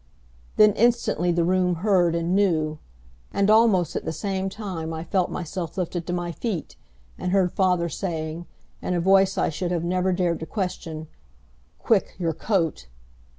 Then instantly the room heard and knew. And almost at the same time I felt myself lifted to my feet and heard father saying, in a voice I should have never dared to question, "Quick, your coat!"